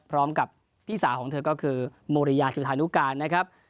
พร้อมกับพี่สาวของเธอก็คือโมริยาจุธานุการนะครับ